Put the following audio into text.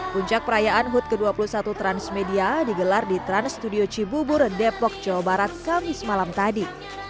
puncak perayaan hut ke dua puluh satu transmedia digelar di trans studio cibubur depok jawa barat kamis malam tadi